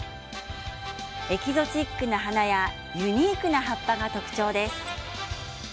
エキゾチックな花やユニークな葉っぱが特徴です。